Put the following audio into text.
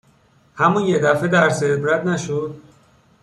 همون یک دفعه درس عبرت نشد؟